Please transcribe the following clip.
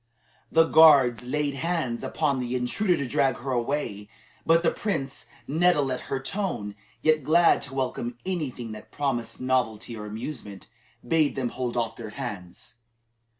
The guards laid hands upon the intruder to drag her away, but the prince, nettled at her tone, yet glad to welcome any thing that promised novelty or amusement, bade them hold off their hands.